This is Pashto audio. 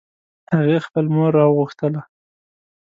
هغې خپل مور راوغوښتله